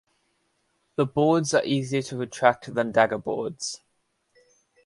The boards are easier to retract than daggerboards.